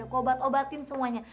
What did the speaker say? aku obat obatin semuanya